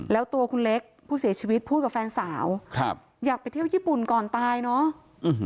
แล้วตัวคุณเล็กผู้เสียชีวิตพูดกับแฟนสาวครับอยากไปเที่ยวญี่ปุ่นก่อนตายเนาะ